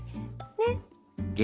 ねっ。